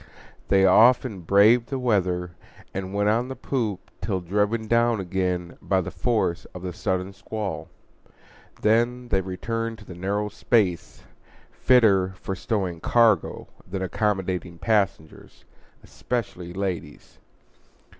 They often braved the weather, and went on the poop till driven down again by the force of a sudden squall. Then they returned to the narrow space, fitter for stowing cargo than accommodating passengers, especially ladies.